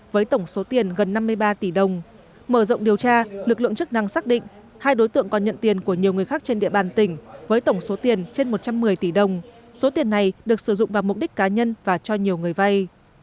với tổng số tiền trên một trăm một mươi tỷ đồng số tiền này được sử dụng vào mục đích cá nhân và cho nhiều người vay